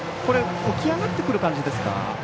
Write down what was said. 浮き上がってくる感じですか。